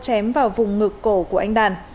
anh đàn đã ném vào vùng ngực cổ của anh đàn